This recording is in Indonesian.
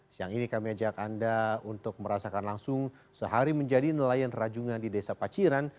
siang ini kami ajak anda untuk merasakan langsung sehari menjadi nelayan rajungan di desa paciran